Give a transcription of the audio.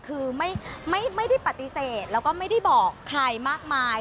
คือไม่ได้ปฏิเสธแล้วก็ไม่ได้บอกใครมากมาย